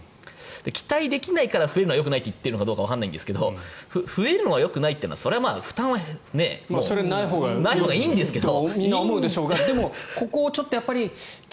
期待できないから増えるのがよくないと言っているのかわからないんですが増えるのはよくないのはそれは負担はないほうがいいんですけど。